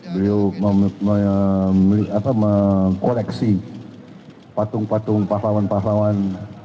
beliau mengkoleksi patung patung pahlawan pahlawan